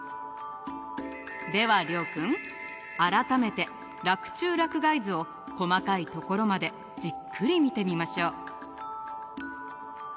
では諒君改めて「洛中洛外図」を細かいところまでじっくり見てみましょう。